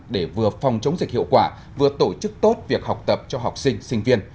để vừa phòng chống dịch hiệu quả vừa tổ chức tốt việc học tập cho học sinh sinh viên